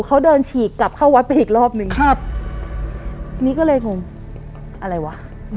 เขาเดินฉีกกลับเข้าวัดไปอีกรอบหนึ่งครับนี่ก็เลยงงอะไรวะ